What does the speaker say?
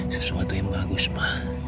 sesuatu yang bagus mbak